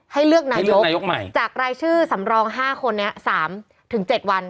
ให้เลือกนายกใหม่จากรายชื่อสำรอง๕คนนี้๓๗วัน